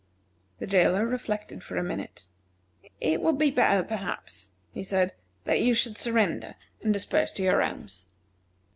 The jailer reflected for a minute. "It would be better, perhaps," he said, "that you should surrender and disperse to your homes."